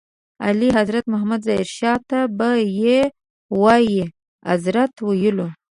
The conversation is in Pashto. اعلیحضرت محمد ظاهر شاه ته به یې وایي اذرت ویلو.